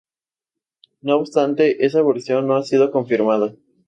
No obstante, esa versión no ha sido confirmada.